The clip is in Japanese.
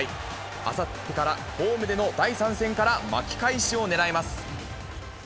あさってからホームでの第３戦から巻き返しを狙います。